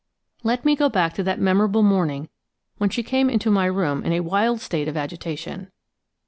Let me go back to that memorable morning when she came into my room in a wild state of agitation.